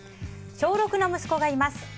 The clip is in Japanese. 小６の息子がいます。